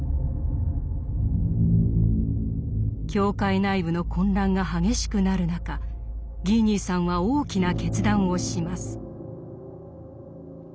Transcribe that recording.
教会内部の混乱が激しくなる中ギー兄さんは大きな決断をします。